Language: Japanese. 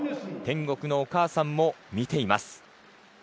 天国のお母さんも見ています。